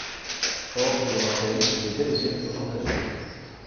Or, je le rappelle, il est bel et bien urgent d’agir.